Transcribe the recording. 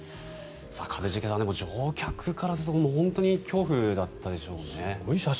一茂さん、乗客からすると本当に恐怖だったでしょうね。